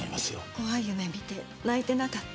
怖い夢見て泣いてなかった？